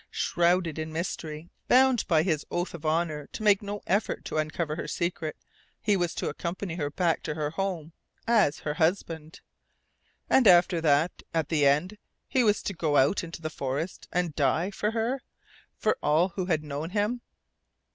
Shrouded in mystery, bound by his oath of honour to make no effort to uncover her secret, he was to accompany her back to her home AS HER HUSBAND! And after that at the end he was to go out into the forest, and die for her, for all who had known him.